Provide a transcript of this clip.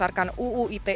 yang terkena serangan cyber